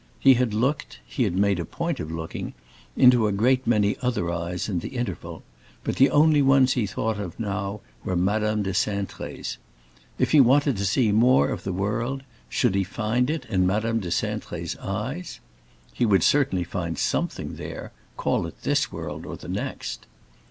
He had looked—he had made a point of looking—into a great many other eyes in the interval, but the only ones he thought of now were Madame de Cintré's. If he wanted to see more of the world, should he find it in Madame de Cintré's eyes? He would certainly find something there, call it this world or the next.